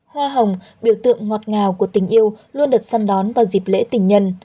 hoa hồng biểu tượng ngọt ngào của tình yêu luôn được săn đón vào dịp lễ tình nhân